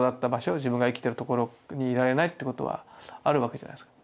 自分が生きてるところにいられないってことはあるわけじゃないですか。